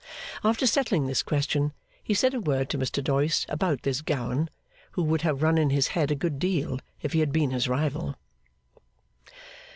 After settling this question, he said a word to Mr Doyce about this Gowan who would have run in his head a good deal, if he had been his rival.